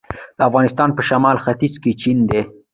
د افغانستان په شمال ختیځ کې چین دی